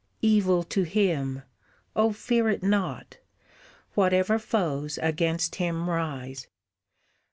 Evil to him! Oh fear it not, Whatever foes against him rise!